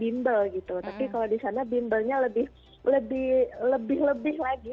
bimbel gitu tapi kalau di sana bimbelnya lebih lebih lagi